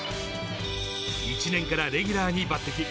１年からレギュラーに抜てき。